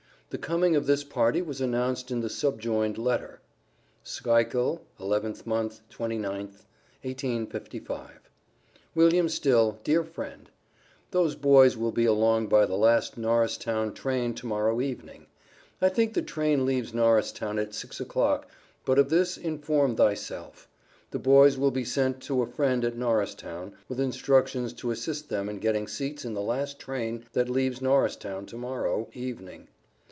The coming of this party was announced in the subjoined letter: SCHUYLKILL, 11th Mo., 29th, 1855. WILLIAM STILL: DEAR FRIEND: Those boys will be along by the last Norristown train to morrow evening. I think the train leaves Norristown at 6 o'clock, but of this inform thyself. The boys will be sent to a friend at Norristown, with instructions to assist them in getting seats in the last train that leaves Norristown to morrow evening.